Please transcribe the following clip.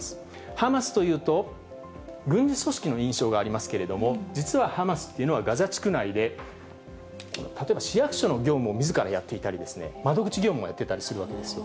ハマスというと、軍事組織の印象がありますけれども、実はハマスというのはガザ地区内で例えば市役所の業務をみずからやっていたり、窓口業務をやっていたりするわけですよ。